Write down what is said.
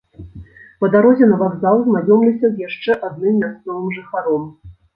Па дарозе на вакзал знаёмлюся з яшчэ адным мясцовым жыхаром.